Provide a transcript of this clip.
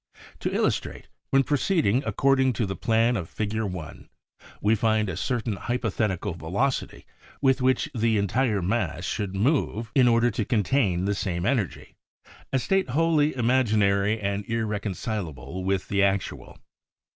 To illustrate, when proceeding according to the plan of Fig. 1, we find a certain hypothetical velocitv with which the entire mass should move in order to contain the same energy, a state wholly imaginary and irreconcilable with the actual.